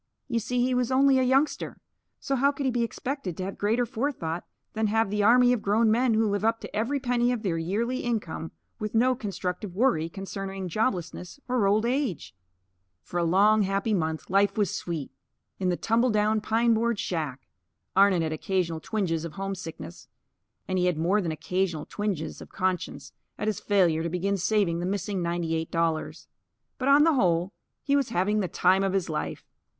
You see, he was only a youngster. So how could he be expected to have greater forethought than have the army of grown men who live up to every penny of their yearly income, with no constructive worry concerning joblessness or old age? For a long, happy month, life was sweet; in the tumble down pineboard shack. Arnon had occasional twinges of homesickness, and he had more than occasional twinges of conscience at his failure to begin saving the missing ninety eight dollars. But, on the whole, he was having the time of his life.